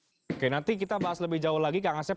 oke nanti kita bahas lebih jauh lagi kak ngasep